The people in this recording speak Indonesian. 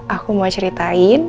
aku mau ceritain